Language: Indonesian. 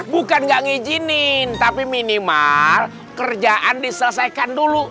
bukan gak ngijinin tapi minimal kerjaan diselesaikan dulu